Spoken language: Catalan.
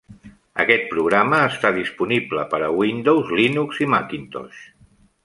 Aquest programa està disponible per a Windows, Linux i Macintosh.